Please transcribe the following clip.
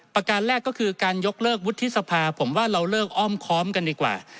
การแรกก็คือการยกเลิกวุฒิสภาผมว่าเราเลิกอ้อมค้อมกันดีกว่า